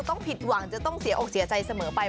ผิดหวังจะต้องเสียอกเสียใจเสมอไป